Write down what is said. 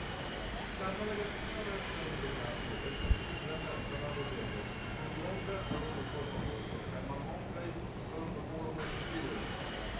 La Madagaskara serpentaglo estas mezgranda rabobirdo kun longa rondoforma vosto kaj mallongaj rondoformaj flugiloj.